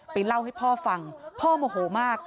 เล่าให้พ่อฟังพ่อโมโหมาก